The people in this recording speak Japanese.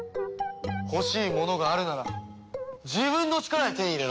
欲しいものがあるなら自分の力で手に入れろ！